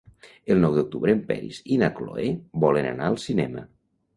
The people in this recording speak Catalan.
El nou d'octubre en Peris i na Cloè volen anar al cinema.